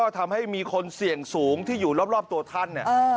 ทำให้มีคนเสี่ยงสูงที่อยู่รอบตัวท่าน